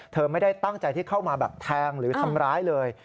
ไม่ได้ตั้งใจที่เข้ามาแบบแทงหรือทำร้ายเลย